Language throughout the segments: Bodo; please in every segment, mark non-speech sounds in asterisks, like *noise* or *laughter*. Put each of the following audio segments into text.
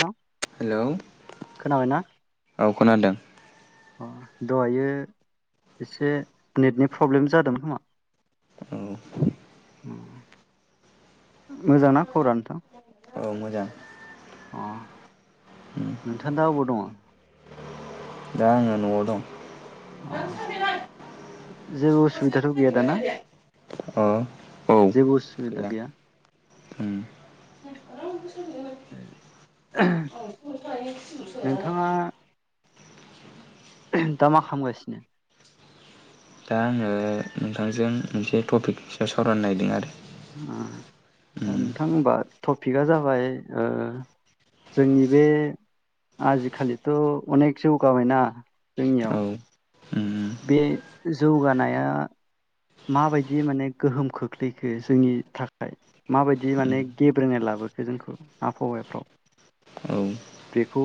नोंथां हेलौ खोनाबायना औ खोनादों। अ दहायो एसे नेटनि प्रब्लेम जादोंमोन खोमा औ उम मोजांना खबरा नोंथां? औ मोजां अ नोंथांङा दा अबाव दंङ? दा आंङो न'आव दं। अ जेबो उसुबिदाथ' गैया दाना? अ औ जेबो उसुबिदा गैया? उम *inaudible* नोंथाङा *inaudible* दा मा खामगासिनो? दा आंङो नोंथांजों मोनसे टपिक सायाव सावरायनो नागिरदों आरो। उम दा उम नोंथां होनबा टपिकआ जाबाय ओ जोंनि बे आजिखालिथ' अनेख जौगाबायना औ जोंनियाव? उम बे जौगानाया माबायदि माने गोहोम खोख्लैखो जोंनि थाखाय माबायदि उम माने गेब्रेनाय लाबोखो जोंखौ आबहावाफ्राव औ बेखौ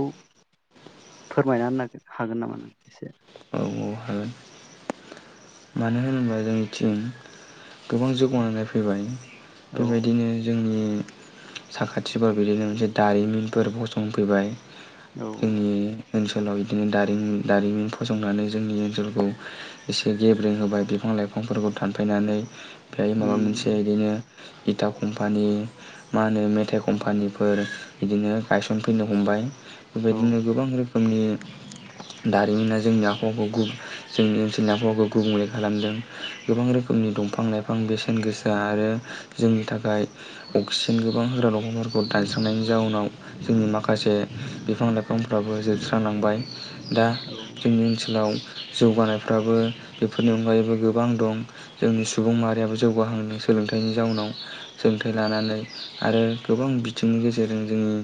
फोरमायना होनो हागोन नामा नों एसे? औ हागोन मानो होनोबा जोंनिथिं गोबां जौगानानै फैबाय औ बेबायदिनो जोंनि साखाथि बा बिदिनो मोनसे दारिमिनफोर फसंफैबाय औ जोंनि ओनसोलाव इदिनो दारिमिन दारिमिन फसंनानै जोंनि ओनसोलखौ एसे गेब्रेें होबाय बिफां लाइफांफोरखौ दानफायनानै ओमफाय माबा मोनसे उम इदिनो इथा कम्पानि मा होनो मेथाइ कम्पानिफोर बिदिनो गायसनफैनो हमबाय औ बेबायदिनो गोबां रो खोमनि दारिमिना जोंनि आबहावाखौ गुबुं जोंनि ओनसोलनि आबहावाखौ गुबुंले खालामदों गोबां रोखोमनि दंफां लाइ फां बेसेन गोसा आरो जोंनि थाखाय अक्सिजेन गोबां होग्रा दंफांफोरखौ दानस्रांनायनि जाउनाव जोंनि माखासे बिफां लाइफांफ्राबो जोबस्रांलांबाय। दा औ जोंनि ओनसोलाव जौगानायफ्राबो बेफोरनि अनगायैबो गोबां दं जोंनि सुबुं मा माहारियाबो जौगाहांदों सोलोंथाइनि जाउनाव सोलोंथाइ लानानै आरो गोबां बिथिंनि गेजेरजों जोंनि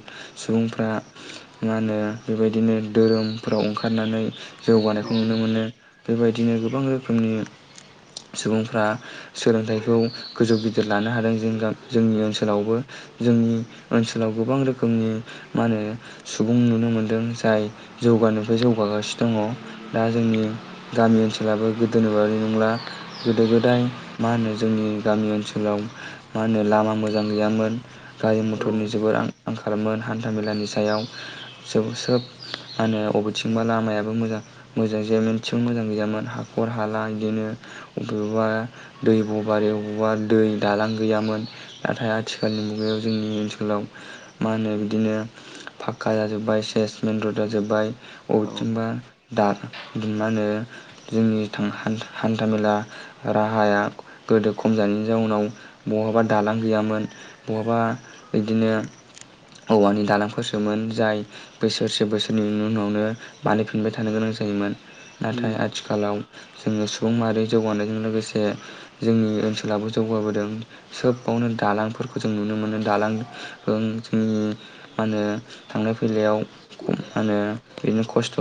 सुबुंफ्रा मा होनो बेबायदिनो धोरोमफ्राव ओंखारनानै औ जौगानायखौ नुनो मोनो बेबायदिनो गोबां रोखोमनि सुबुंफ्रा सोलोंथाइखौ गोजौ गिदिर लानो हादों जों गा जोंनि ओनसोलावबो जोंनि ओनसोलाव गोबां रोखोमनि मा होनो सुबुं नुनो मोनदों जाय जौगानायनिफ्राय जौगागासिनो दङ दा जोंनि गामि ओनसोलाबो गोदोन बदि नंला गोदो गोदाय मा होनो जोंनि गामि ओनसोलाव मा होनो लामा मोजां गैयामोन गारि औ मथरनि जोबोर आं-आंखालमोन। हान्थामेलानि सायाव सोब सोब मा होनो अबेथिंबा लामायाबो मोजां मोजां जाया मिनसेबो मोजां गैयामोन हाखर हाला यदिनो अबेबा। *inaudible* दैब' बारियाव बवा दै दालां गैयामोन नाथाय आथिखालनि मुगायाव जोंनि ओनसोलाव मा होनो बिदिनो फाखका जाजोब्बाय सेसमेन रड जाजोब्बाय। औ अबेथिंबा दा मा होनो जोंनि थां हान-हान्थामेला राहाया गोदो खम जानायनि जाउनाव बहाबा दालां गैयामोन बहाबा बिदिनो औवानि दालांफोरसोमोन जाय बोसोरसे बोसोरनैनि उनावनो बानायफिनबाय थानो गोनां जायोमोन। नाथाय उम आथिखालाव जोङो सुबुं माहारि जौगानायजों लोगोसे जोंनि ओनसोलाबो जौगाबोदों सोबावनो दालांफोरखौ जों नुनो मोनो दालां ओं जोंनि मा होनो थांलाय फैलायाव खम मा होनो ओरैनो खस्थ'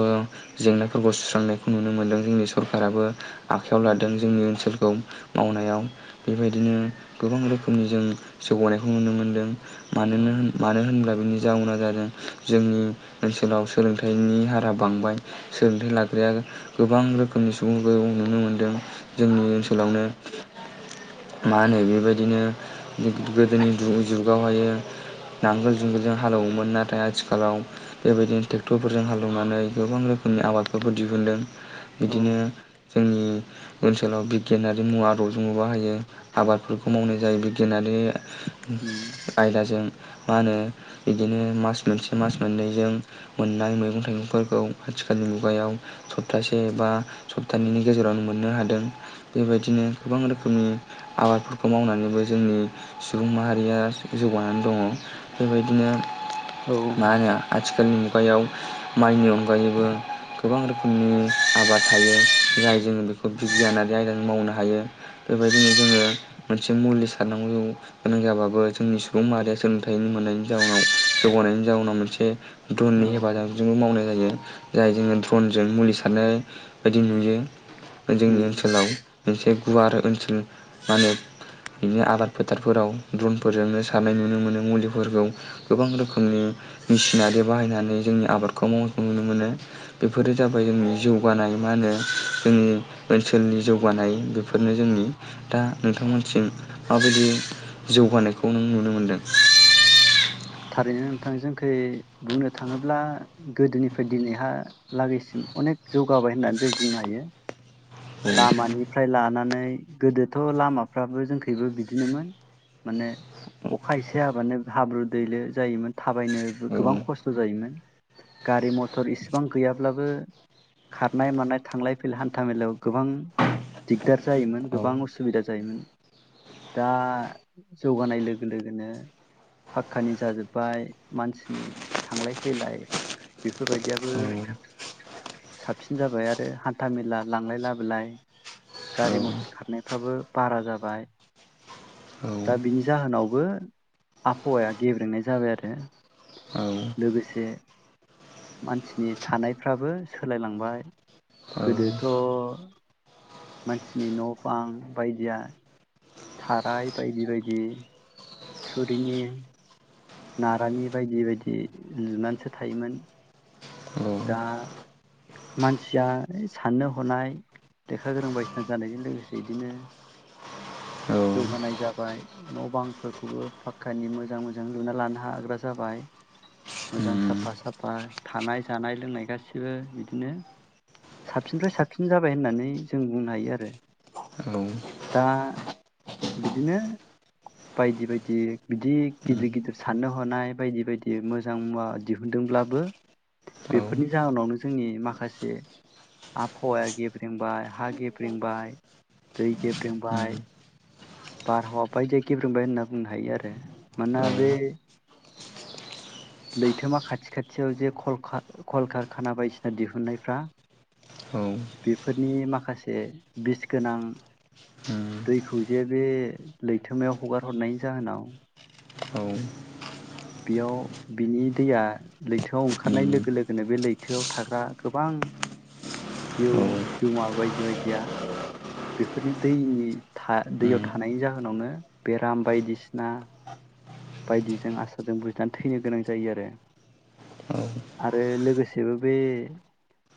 जेंनाफोरखौ सुस्रांनायखौ नुनो मोन्दों जोंनि सरखाराबो आखायाव उम लादों जोंनि ओनसोलखौ मावनायाव बेबायदिनो गोबां रोखोमनि जों जौगानायखौ नुनो मोनदों औ मानोनो होन मानो होनब्ला बि नि जावुना जादों जोंनि ओनसोलाव सोलोंथाइनि हारा बांबाय सोलोंथाइ लाग्राया गोबां रोखोमनि सुबुंफोरखौ नुनो मोनदों। जोंनि उम ओनसोलावनो मा होनो बेबायदिनो गो-गोदोनि जुगावहायो नांगोल जुंगोलजों हालेवोमोन नाथाय आथिखालाव बेबायदिनो ट्रेक्टरफोरजों हालेवनानै गोबां रोखोमनि आबादफोरबो दिहुन्दों। औ बिदिनो जोंनि ओनसोलाव बिगियानारि बिदि मुवा आदबजोंनो बाहायो आबादफोरखौ मावनाय जायोबिगियानारि उम आयदाजों मा होनो बिदिनो मास मोनसे मास मोननैजों मोननाय मैगं थाइगंफोरखौ आथिखालनि मुगायाव सप्तासे एबा सप्तानैनि गेजेरावनो मोननो हादों। बेबायदिनो गोबां रोखोमनि आबादफोरखौ मावनानैबो जोंनि सुबुं माहारिया जौगानानै दङ। बेबायदिनो औ मा होनो आथिखालनि खुगायाव माइनि अनगायैबो गोबां रोखोमनि आबाद थायो जाय जों बेखौ बिगियाना। आयदों मावनो हायो बेबायदिनो जोङो मोनसे मुलि सारनांगौ गोनां जाबाबो जोंनि सुबुं माहारिया सोलोंथाइ मोननायनि जाउनाव जौगानायनि जाउनाव मोनसे। औ दननि हेफाजाबजोंबो मावनाय जायो। जाय जोङो ड्रनजों मुलि सारनाय बायदि नुयो बिजों उम *unintelligible* मोनसे गुवार ओनसोल मा होनो बि आबाद फोथारफोराव द्रनफोरजोंनो सारनाय नुनो मोनो मुलिफोरखौ गोबां रोखोमनि मेसिनारि बाहायनानै जोंनि आबादखौ मावनायखौ नुनो मोनो बेफोरो जाबाय जोंनि जौगानाय मा होनो जोंनि ओनसोलनि जौगानाय बेफोरनो जोंनि दा नोंथांमोनसिम माबायदि जौगानायखौ नों नुनो मोनदों। थारैनो नोंथां जोंखै बुंनो थाङोब्ला गोदोनिफ्राय दिनैहालागैसिम अनेक जौगाबाय होननानै जों बुंनो हायो। लामानिफ्राय ला नानै गोदोथ' लामाफ्राबो जोंखैबो बिदिनोमोन माने अखा एसे हाबानो हाब्रु दैलो जायोमोन थाबायनोबो गोबां औ खस्थ' जायोमोन गारि-मथर इसेबां गैयाब्लाबो खारनाय मानाय थांलाय फैलाय हान्था मेलायाव गोबां दिगदार जायोमोन औ गोबां उसुबिदा जायोमोन दा जौगानाय लोगो लोगोनो फाखकानि जाजोब्बाय मानसिनि थांलाय फैलाय बेफोरबायदियाबो औ साबसिन जाबाय आरो हान्था मेला लांलाय लाबो लाय गारि औ मथर खारनायफ्राबो बारा जाबाय दा बिनि जाहोनावबो आबहावाया गेब्रेंनाय जाबाय आरो औ औ लोगोसे मानसिनि थानायफ्राबो सोलायलांबाय औ गोदोथ' मानसिनि न' बां बायदिया थाराय बायदि बायदि थुरिनि नारानि बायदि बायदि लुनानैसो थायोमोन दा औ मानसिया साननो हनाय लेखा गोरों बायदिसिना जानायजों लोगोसे बिदिनो औ जौगानाय जाबाय न' बांफोरखौबो फाक्कानि मोजां मोजां लुना लानो हाग्रा जाबाय मोजां उम साफा साफा थानाय जानाय लोंनाय गासिबो बिदिनो साबसिननिफ्राय साबसिन जाबाय होननानै जों बुंनो हायो आरो औ उम दा बिदिनो बायदि बायदि बिदि गिदिर गिदिर। साननो हनाय बायदि बायदि मोजां मुवा दिहुनदोंब्लाबो औ बेफोरनि जाहोनावनो जोंनि माखासे आबहावाया गेब्रेंबाय हा गेब्रेंबाय दै उम गेब्रेंबाय बारहावा बायदि गेब्रेंबाय होनना बुंनो हायो आरो मानोना औ बे लैथोमा खाथि खाथियाव जे कल-कलकारखाना बायदिसिना दिहुनन्नायफ्रा औ बेफोरनि माखासे बिस गोनां उम दैखौ जे बे लैथोमायाव हगार हरनायनि जाहोनाव औ बेयाव बिनि दैया लैथोआव ओंखारनाय लोगो लोगोनो बे लैथोआव थाग्रा गोबां जिउ जिउमा बायदि बायदिया बेफोरनि दैनि था-दैयाव थानायनि जाहोनावनो बेराम बायदिसिना बायदिजों आसारजों बुजिनानै थैनो गोनां जायो आरो आरो लोगोसेबो बे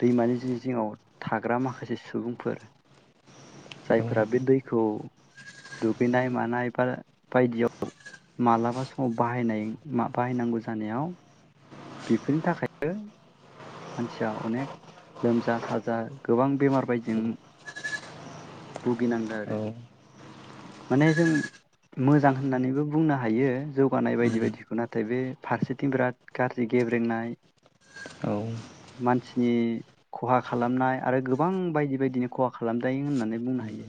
दैमानि जि जिङाव थाग्रा माखासे सुबुंफोर जायफोरा बे दैखौ दुगैनाय मानाय बा बायदियाव मालाबा समाव बाहायनाय बाहायनांगौ जानायाव बेफोरनि थाखायनो मानसिया अनेक लोमजा साजा गोबां बेमार बायदिजों भुगिनांदों आरो माने जों मोजां होननानैबो बुंनो हायो जौगानाय बायदि बायदिखौ नाथाय बे फारसेथिं बिराद गाज्रि गेब्रेंनाय औ मानसिनि खहा खालामनाय आरो गोबां बायदि बायदिनो खहा खालामजायो होननानै बुंनो हायो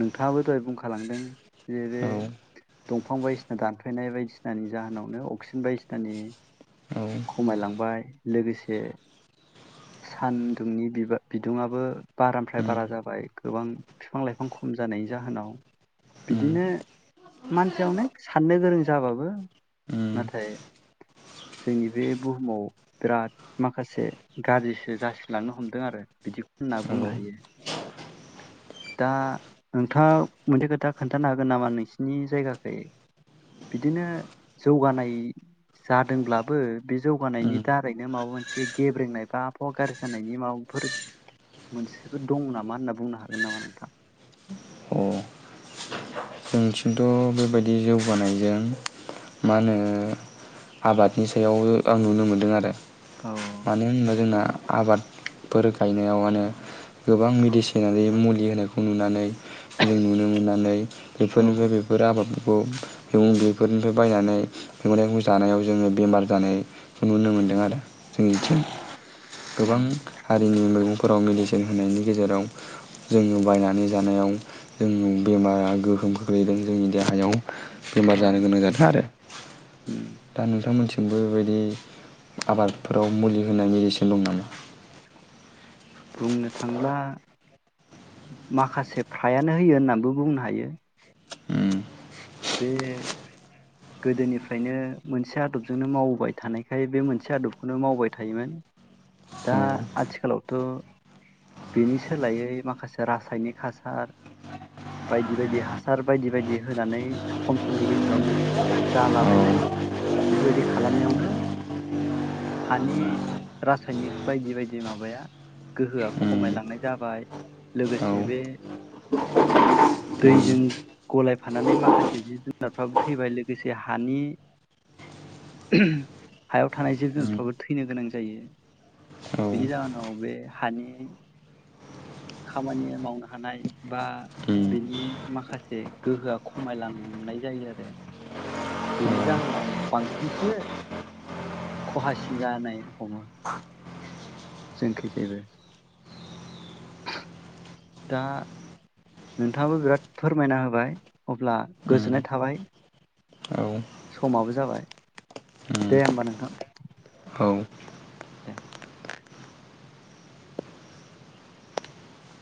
नोंथाङाबो दहाय बुंखालांदों। औ दफां बायदिसिना दानफैनाय बायदिसिनानि जाहोनावनो अक्सिजेन बायदिसिनानि खमायलांबाय लोगोसे सान्दुंनि बिदुुंआ बारानिफ्राय बारा जाबाय गोबां बिफां-लाइफां खम जानायनि जाहोनाव बिदिनो मान यानो साननो गोरों जाबाबो नाथाय जोंनि बे बुहुमाव बिराद माखासे गाज्रिसो जासिलांनो हमदों आरो बिदि होनना बुंनो हायो। दा नोंथाङा मोनसे खोथा खोन्थानो हागोन नामा नोंसिनि जायगाखै बिदिनो जौगानाय जादोंब्लाबो बे जौगानायनि दारैनो माबा मोनसे गेब्रेंनाय बा आबहावा गाज्रि जानायनि माबाफोर मोनसेफोर दं नामा होनना बुंनो हागोन नामा? नोंथां, अ जोंनिथिंथ बेबायदि जौगानायजों मा होनो आबादनि सायाव आं नुनो मोनदों आरो औ मानो होनोबा जोंना आबादफोर गायनायावनो गोबां मेडिसिनारि मुलि होनायखौ नुनानै जों नुनो मोननानै औ बेफोरनिफ्राय बेफोर आबाद बे मैगं बेफोरनिफ्राय बायनानै मैगंथाइगं जानायाव जोङो बेमार जानायखौ नुनो मोनदों आरो। जों औ बिथिं गोबां उम हारिनि मैगं फोराव मेडिसिन होनायनि गेजेराव जोङो बायनानै जानायाव जों बेमारा गोहोम खोख्लैदों जोंनि देहायाव बेमार औ जानो गोनां जादों आरो उम दा नोंथां मोनथि जोंबो बेबायदि आबादफोराव मुलि होनाय मेडिसिन दं नामा? बुंनो थांब्ला माखासे फ्रायानो होयो होननानैबो बुंनो हायो। नामा बे। गोदोनिफ्रायनो मोनसे आदबजोंनो मावबाय थानायखाय बे मोनसे आदबखौनो मावबाय थायोमोन दा आथिखालावथ' बेनि सोलायै माखासे रासायनिक हासार बायदि बायदि हासार बायदि बायदि होनानै खम समनि गेजेरावनो जालाबायनाय बेफोरबायदि खालामनायावनो हानि रासायनिक बायदि बायदि माबाया गोहोआ खमायलांनाय जाबाय लोगोसे बे दैजों गलायफानानै माखासे जिब जुनारफ्राबो थैबाय लोगोसे हानि हायाव थानाय जिब जुनफ्राबो थैनो गोनां जायो बेनि औ जाहोनाव बे हानि खामानि मावनो हानाय बा बिनि माखासे गोहोआ खमायलांनाय जायो आरो। बिनि जाहोनाव बांसिनसो खहासिन जानाय हमो जोंखैजायबो दा नोंथाङाबो बिराद फोरमायना होबाय अब्ला गोजोननाय थाबाय समाबो जाबाय दे होमबा नोंथां। दे।